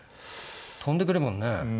飛んでくるもんね。